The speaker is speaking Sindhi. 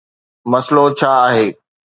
مسئلو ڇا آهي؟